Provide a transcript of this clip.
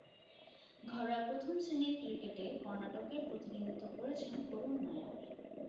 ঘরোয়া প্রথম-শ্রেণীর ক্রিকেটে কর্ণাটকের প্রতিনিধিত্ব করছেন করুণ নায়ার।